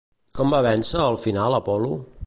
Com va vèncer al final Apol·lo?